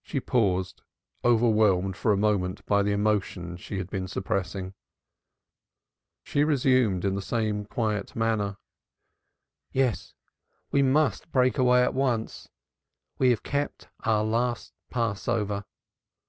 She paused, overwhelmed for a moment by the emotion she had been suppressing. She resumed in the same quiet manner. "Yes, we must break away at once. We have kept our last Passover.